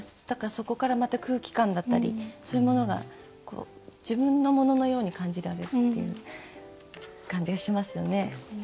だからそこからまた空気感だったりそういうものが自分のもののように感じられるっていう感じがしますよね。